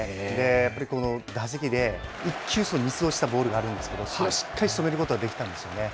やっぱりこの打席で、１球、ミスをしたボールがあったんですけど、それをしっかりしとめることができたんですよね。